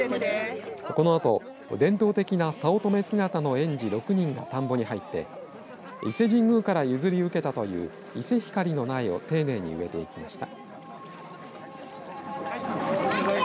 このあと、伝統的な早乙女姿の園児６人が田んぼに入って伊勢神宮から譲り受けたというイセヒカリの苗を丁寧に植えていきました。